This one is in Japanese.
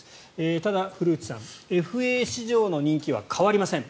ただ、古内さんＦＡ市場の人気は変わりません。